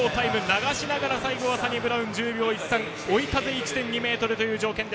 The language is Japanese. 流しながら最後はサニブラウン、１０秒１３追い風１．２メートル。